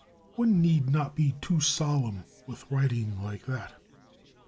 One need not be too solemn with writing like that.